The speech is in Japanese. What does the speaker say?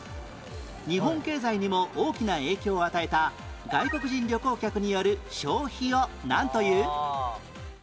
日本経済にも大きな影響を与えた外国人旅行客による消費をなんという？